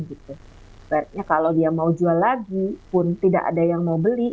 berarti kalau dia mau jual lagi pun tidak ada yang mau beli